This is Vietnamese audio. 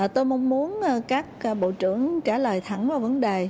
tôi mong muốn các bộ trưởng trả lời thẳng vào vấn đề